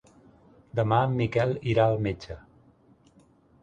Demà en Miquel irà al metge.